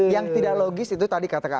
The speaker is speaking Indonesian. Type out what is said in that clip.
yang tidak logis itu tadi kata kak asep